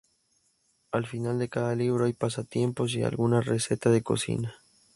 Al final de cada libro hay pasatiempos y alguna receta de cocina.